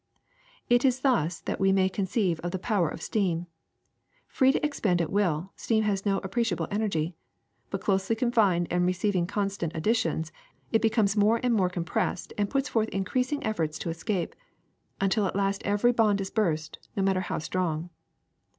It is thus that we may conceive of the power of steam: free to expand at will, steam has no appre ciable energy ; but closely confined and receiving con stant additions, it becomes more and more com pressed and puts forth increasing efforts to escape, until at last every bond is burst, no matter how strong.